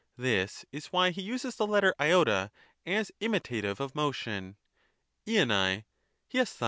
This is why he uses the letter i as imitative of motion, Uvai, leaBai.